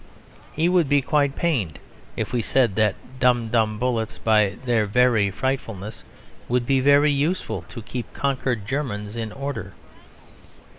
He would be quite pained if we said that Dum dum bullets, "by their very frightfulness," would be very useful to keep conquered Germans in order.